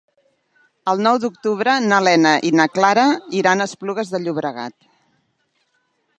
El nou d'octubre na Lena i na Clara iran a Esplugues de Llobregat.